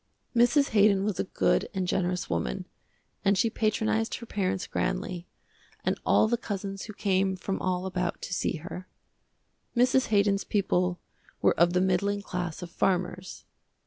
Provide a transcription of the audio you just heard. Mrs. Haydon was a good and generous woman, and she patronized her parents grandly, and all the cousins who came from all about to see her. Mrs. Haydon's people were of the middling class of farmers.